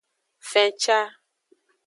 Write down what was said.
Fenca.